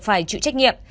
phải chịu trách nhiệm